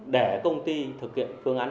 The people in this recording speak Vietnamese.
để công ty thực hiện phương án